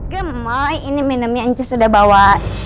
gemoy ini minumnya ancis udah bawa